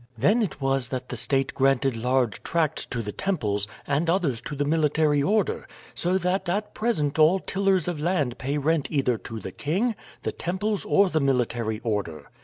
Then it was that the state granted large tracts to the temples, and others to the military order, so that at present all tillers of land pay rent either to the king, the temples, or the military order.